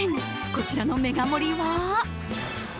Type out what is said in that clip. こちらのメガ盛りは？